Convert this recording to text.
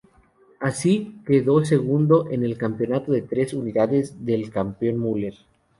Así, quedó segundo en el campeonato a tres unidades del campeón Muller.